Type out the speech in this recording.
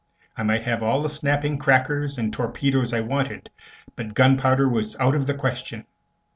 I might have all the snapping crackers and torpedoes I wanted; but gunpowder was out of the question.